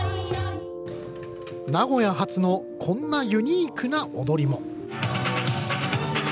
名古屋発のこんなユニークな踊りも。